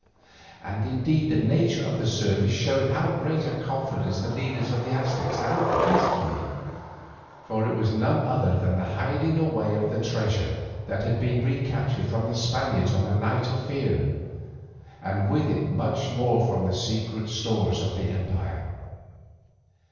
And indeed the nature of the service showed how great a confidence the leaders of the Aztecs now placed in me, for it was none other than the hiding away of the treasure that had been recaptured from the Spaniards on the Night of Fear, and with it much more from the secret stores of the empire.